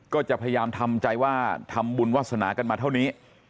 ก็จะพยายามทำใจว่าทำบุญวาสนากันมาเท่านี้